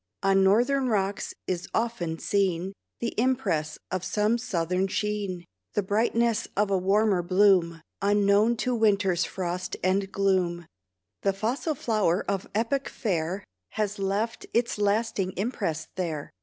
On northern rocks is often seen The impress of some southern sheen, The brightness of a warmer bloom, Unknown to winter's frost and gloom. The fossil flower of epoch fair Has left its lasting impress there.